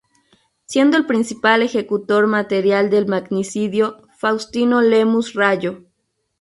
Siendo el principal ejecutor material del magnicidio Faustino Lemus Rayo.